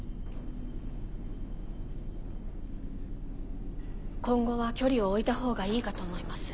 今後は距離を置いたほうがいいかと思います。